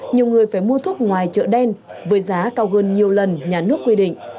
nhiều người phải mua thuốc ngoài chợ đen với giá cao hơn nhiều lần nhà nước quy định